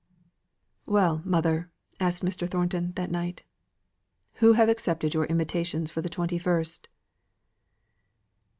"Well, mother," asked Mr. Thornton that night, "who have accepted your invitations for the twenty first?"